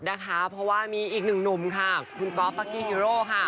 เพราะว่ามีอีกหนึ่งหนุ่มค่ะคุณก๊อฟฟักกี้ฮีโร่ค่ะ